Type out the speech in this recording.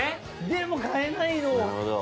でも買えないの！